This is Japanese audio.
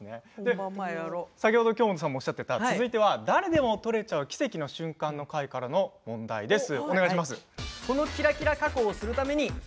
先ほど京本さんもおっしゃっていた誰でも撮れちゃう奇跡の瞬間の回からの問題です。